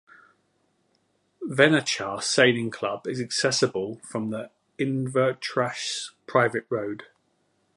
Venachar sailing club is accessible from the Invertrossachs private road.